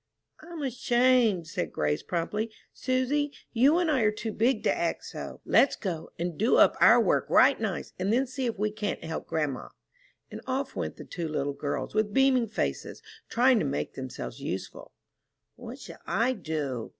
"I'm ashamed," said Grace, promptly. "Susy, you and I are too big to act so. Let's go and do up our work right nice, and then see if we can't help grandma." And off went the two little girls, with beaming faces, trying to make themselves useful. "What shall I do?"